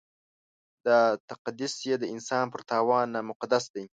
دا تقدس یې د انسان پر تاوان نامقدس دی.